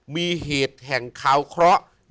มีเหตุแห่งคาวเคราะห์